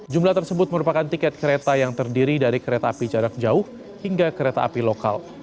jumlah tersebut merupakan tiket kereta yang terdiri dari kereta api jarak jauh hingga kereta api lokal